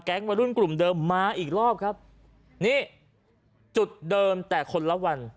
วัยรุ่นกลุ่มเดิมมาอีกรอบครับนี่จุดเดิมแต่คนละวัน